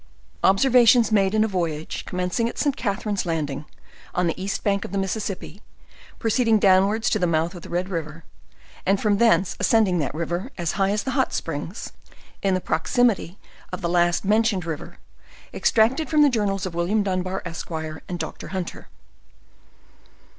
Observations made in a voyage, commencing at St. Catharine's landing^ on the east bank of the Mississippi, proceeding downwards to the mouth of the Red River, and from thence ascending that river,, as high as the Hot Spring's, in the proximity of the last mentioned River, extracted from the Journals of William Dunbar, Esq. and Doctor Hunter.